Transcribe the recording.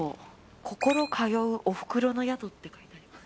心通うおふくろの宿って書いてあります。